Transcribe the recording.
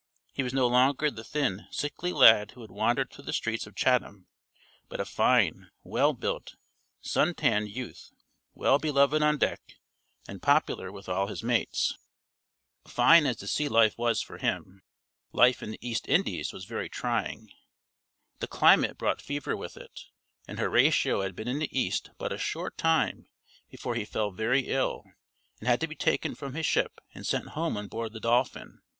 He was no longer the thin, sickly lad who had wandered through the streets of Chatham, but a fine, well built, sun tanned youth, well beloved on deck and popular with all his mates. Fine as the sea life was for him, life in the East Indies was very trying. The climate brought fever with it, and Horatio had been in the East but a short time before he fell very ill and had to be taken from his ship and sent home on board the Dolphin.